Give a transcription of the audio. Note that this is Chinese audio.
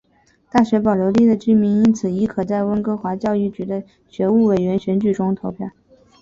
大学保留地的居民因此亦可在温哥华教育局的学务委员选举中投票。